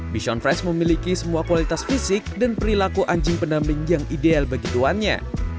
mission fresh memiliki semua kualitas fisik dan perilaku anjing pendamping yang ideal bagi tuannya